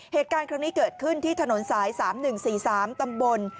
เหตุการณ์ครั้งนี้เกิดขึ้นที่ถนนสายสามหนึ่งสี่สามตำบล